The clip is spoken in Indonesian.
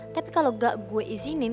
tapi kalau gak gue izinin